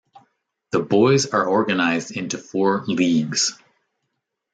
The boys are organised into four "leagues".